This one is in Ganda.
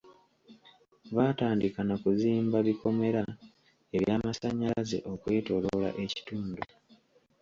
Baatandika na kuzimba bikomera eby'amasannyalaze okwetoloola ekitundu.